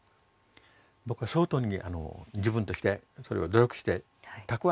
僕は相当に自分としてそれを努力して蓄えてきたと。